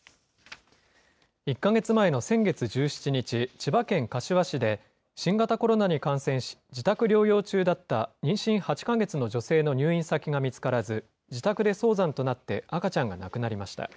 １か月前の先月１７日、千葉県柏市で、新型コロナに感染し、自宅療養中だった妊娠８か月の女性の入院先が見つからず、自宅で早産となって赤ちゃんが亡くなりました。